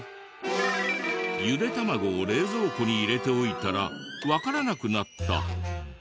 ゆで卵を冷蔵庫に入れておいたらわからなくなった。